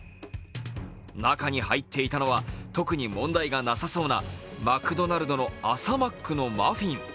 中に入っていたのは特に問題がなさそうなマクドナルドの朝マックのマフィン。